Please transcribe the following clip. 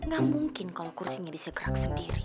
gak mungkin kalau kursinya bisa gerak sendiri